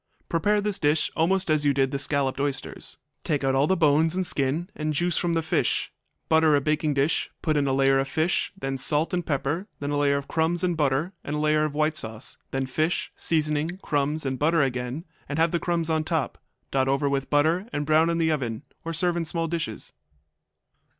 Prepare this dish almost as you did the scalloped oysters. Take out all the bones and skin and juice from the fish; butter a baking dish, put in a layer of fish, then salt and pepper, then a layer of crumbs and butter, and a layer of white sauce, then fish, seasoning, crumbs and butter again, and have the crumbs on top. Dot over with butter and brown in the oven, or serve in small dishes.